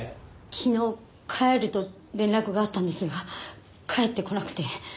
昨日「帰る」と連絡があったんですが帰ってこなくて。